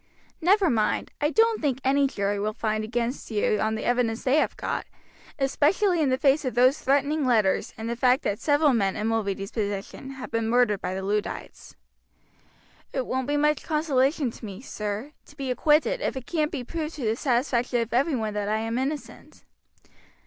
Never mind, I don't think any jury will find against you on the evidence they have got, especially in the face of those threatening letters and the fact that several men in Mulready's position have been murdered by the Luddites." "It won't be much consolation to me, sir, to be acquitted if it can't be proved to the satisfaction of every one that I am innocent."